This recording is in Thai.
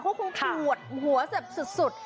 เขาคงปวดหัวสุด